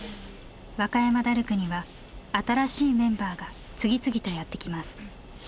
和歌山ダルクには新しいメンバーが次々とやって来ます。